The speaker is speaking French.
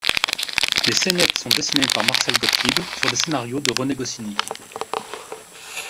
Les saynètes sont dessinées par Marcel Gotlib sur des scénarios de René Goscinny.